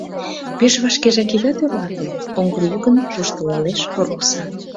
— Пеш вашкежак ида тӧрлате! — оҥгыр йӱкын воштылеш Роза.